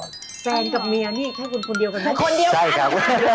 แฟนกับเมียนี่แค่คุณคนเดียวกันไหม